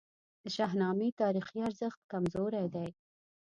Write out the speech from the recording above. د شاهنامې تاریخي ارزښت کمزوری دی.